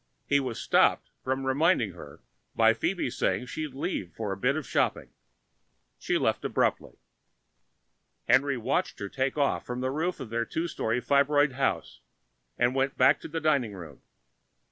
He was stopped from reminding her by Phoebe's saying that she'd leave for a bit of shopping. She left abruptly. Henry watched her takeoff from the roof of their two story fibroid house and went back to the dining room.